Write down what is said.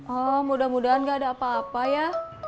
oh mudah mudahan gak ada apa apa ya